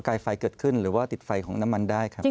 ไฟเกิดขึ้นหรือว่าติดไฟของน้ำมันได้ครับ